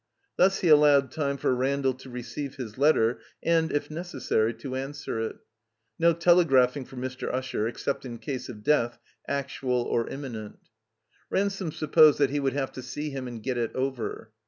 Thus he al lowed time for Randall to receive his letter and, if necessary, to answer it. No telegraphing for Mr. Usher, except in case of death, actual or imminent. 19 283 THE COMBINED MAZE Ransome supposed that he would have to see him and get it over.